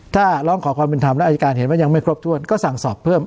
ถ้าร้องขอความเป็นธรรมแล้วอายการเห็นว่ายังไม่ครบถ้วนก็สั่งสอบเพิ่ม